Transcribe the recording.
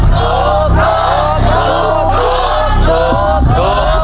ติดนะคะสุดเฮ้ย